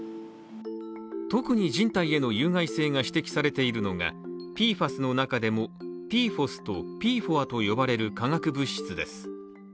特に人体への有害性が指摘されているのがＰＦＡＳの中でもＰＦＯＳとＰＦＯＡと呼ばれる化学物質です。